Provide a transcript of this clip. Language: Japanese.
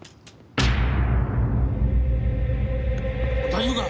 大丈夫か！？